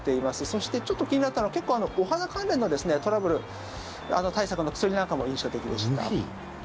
そして、ちょっと気になったのは結構お肌関連のトラブル対策の薬なんかも印象的でした。